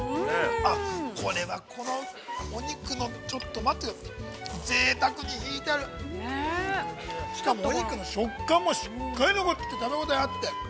あっ、これは、このお肉のちょっと待ってください、ぜいたくにひいてあるしかもお肉の食感もしっかり残って、食べ応えあって。